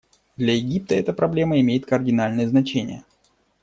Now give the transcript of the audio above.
Для Египта эта проблема имеет кардинальное значение.